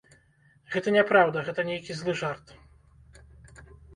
Гэта няпраўда, гэта нейкі злы жарт.